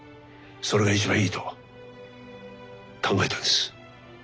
それが一番いいと考えたんです。